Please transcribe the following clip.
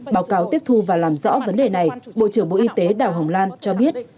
báo cáo tiếp thu và làm rõ vấn đề này bộ trưởng bộ y tế đào hồng lan cho biết